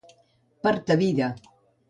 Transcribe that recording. Per ta vida.